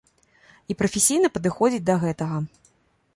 І прафесійна падыходзіць да гэтага.